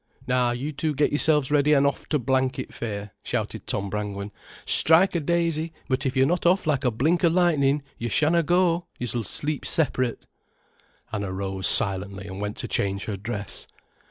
"Now, you two, get yourselves ready an' off to blanket fair," shouted Tom Brangwen. "Strike a daisy, but if you're not off like a blink o' lightnin', you shanna go, you s'll sleep separate." Anna rose silently and went to change her dress.